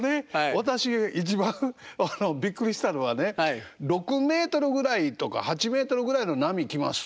私一番びっくりしたのはね「６メートルぐらいとか８メートルぐらいの波来ます」と。